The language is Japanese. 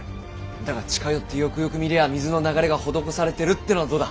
だが近寄ってよくよく見りゃあ水の流れが施されてるってのはどうだ？